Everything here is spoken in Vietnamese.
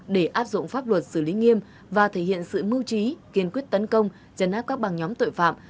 để áp dụng pháp luật xử lý nghiêm và thể hiện sự mưu trí kiên quyết tấn công chấn áp các bằng nhóm tội phạm